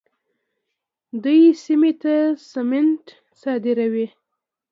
دوی سیمې ته سمنټ صادروي.